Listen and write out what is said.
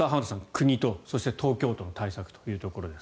国とそして、東京都の対策というところです。